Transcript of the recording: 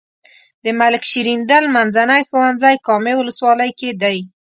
د ملک شیریندل منځنی ښوونځی کامې ولسوالۍ کې دی.